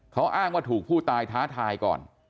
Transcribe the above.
เขาอ้างว่าถูกผู้ตายท้าทายก่อน